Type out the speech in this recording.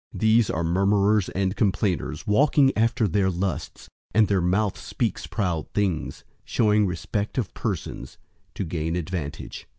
001:016 These are murmurers and complainers, walking after their lusts (and their mouth speaks proud things), showing respect of persons to gain advantage.